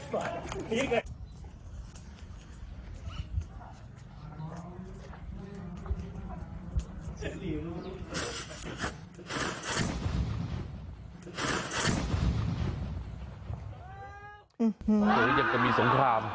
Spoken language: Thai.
ตัวนี้อยากจะมีสงคราม